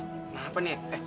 kenapa kau tidur disitu cuy